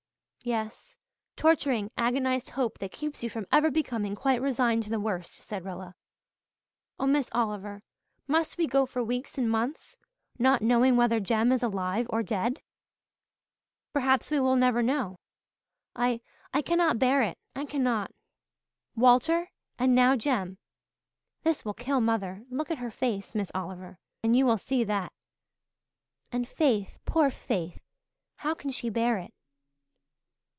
"Yes torturing, agonized hope that keeps you from ever becoming quite resigned to the worst," said Rilla. "Oh, Miss Oliver must we go for weeks and months not knowing whether Jem is alive or dead? Perhaps we will never know. I I cannot bear it I cannot. Walter and now Jem. This will kill mother look at her face, Miss Oliver, and you will see that. And Faith poor Faith how can she bear it?"